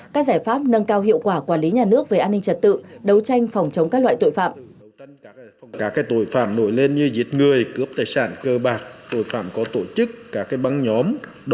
các giải pháp nâng cao hiệu quả quản lý nhà nước về an ninh trật tự đấu tranh phòng chống các loại tội phạm